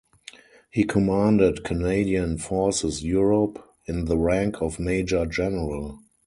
He commanded Canadian Forces Europe, in the rank of major-general.